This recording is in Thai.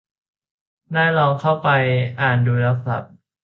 ได้ลองเข้าไปอ่านดูแล้วครับ